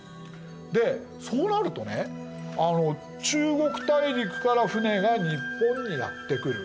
でそうなるとね中国大陸から船が日本にやって来る。